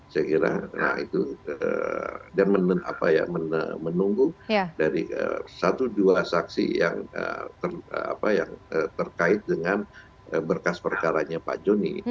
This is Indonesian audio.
saya kira nah itu dan menunggu dari satu dua saksi yang terkait dengan berkas perkaranya pak joni